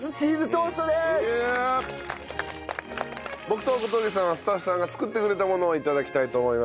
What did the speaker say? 僕と小峠さんはスタッフさんが作ってくれたものを頂きたいと思います。